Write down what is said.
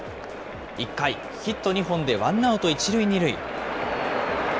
１回、ヒット２本でワンアウト１塁２塁。